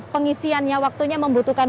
pengisiannya waktunya membutuhkannya